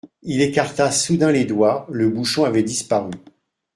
Il écarta soudain les doigts, le bouchon avait disparu.